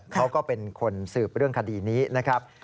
เขาก็เป็นคนสืบเรื่องคดีนี้นะครับ